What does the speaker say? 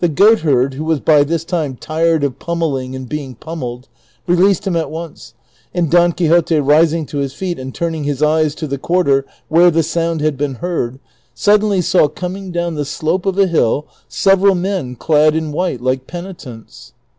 435 goatherd, avIio was by this time tired of pummelling and l)eing pummelled, released him at once, and Don Quixote rising to his feet and turning his eyes to the quarter where the sound had been heard, suddenly saw coming down the slope of a hill several men clad in white like penitents.